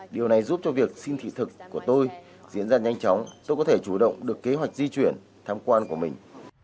điều này giúp cho việc xin thị thực của tôi diễn ra nhanh chóng tôi có thể chủ động được kế hoạch di chuyển tham quan của mình